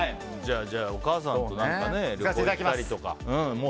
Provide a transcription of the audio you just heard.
お母さんと旅行行ったりとか。